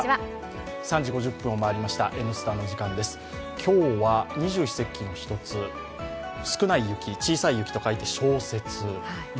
今日は二十四節気の一つ、少ない雪と書いて小雪。